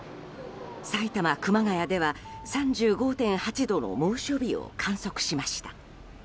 埼玉・熊谷では３５．８度の猛暑日を観測しました。